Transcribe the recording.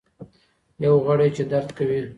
یو غړی چي درد کوي.